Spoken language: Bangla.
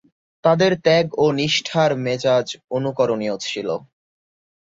তাদের ত্যাগ ও নিষ্ঠার মেজাজ অনুকরণীয় ছিল।